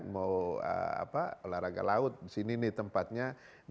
mau olahraga laut di sini nih tempatnya